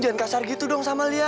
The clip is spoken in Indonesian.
jangan kasar gitu dong sama lia